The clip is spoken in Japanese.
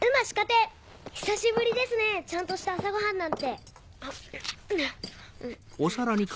久しぶりですねちゃんとした朝ごはんなんて。